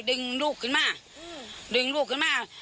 ดึงลูกขึ้นมาดึงลูกขึ้นมา